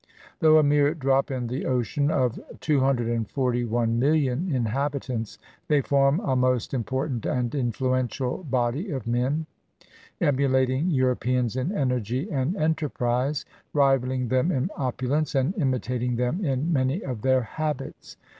Though a mere drop in the ocean of 241,000,000 inhabitants, they form a most important and influential body of men, emulating Europeans in energy and enterprise, rivaling them in opulence, and imitating them in many of their habits.